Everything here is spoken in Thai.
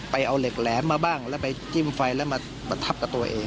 เอาเหล็กแหลมมาบ้างแล้วไปจิ้มไฟแล้วมาประทับกับตัวเอง